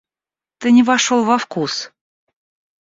Ты не вошел во вкус.